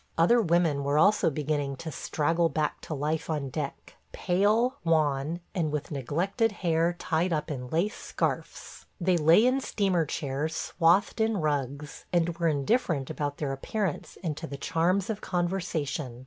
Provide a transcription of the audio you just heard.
Other women were also beginning to straggle back to life on deck – pale, wan, and with neglected hair tied up in lace scarfs. They lay in steamer chairs swathed in rugs, and were indifferent about their appearance and to the charms of conversation.